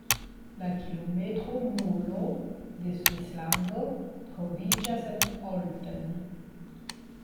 La “kilometro nulo” de Svislando troviĝas en Olten.